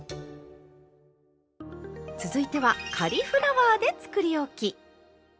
続いてはカリフラワーでつくりおき。